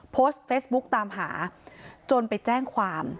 โพสต์เฟซบุ๊กตามหาจนไปแจ้งความ